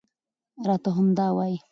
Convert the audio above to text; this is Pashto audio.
راته همدا وايي